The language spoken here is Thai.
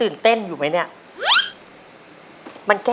เรียกประกันแล้วยังคะ